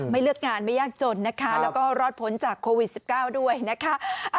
เลือกงานไม่ยากจนนะคะแล้วก็รอดพ้นจากโควิด๑๙ด้วยนะคะ